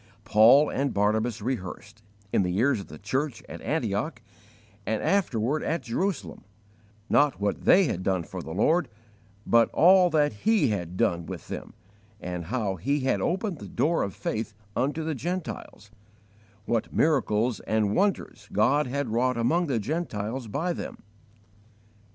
Paul and Barnabas rehearsed, in the ears of the church at Antioch, and afterward at Jerusalem, not what they had done for the Lord, but all that He had done with them, and how He had opened the door of faith unto the Gentiles; what miracles and wonders God had wrought among the Gentiles by them.